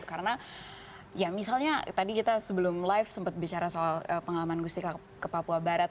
karena ya misalnya tadi kita sebelum live sempet bicara soal pengalaman gustika ke papua barat